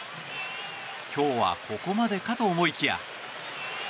今日はここまでかと思いきや。